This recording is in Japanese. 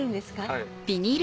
はい。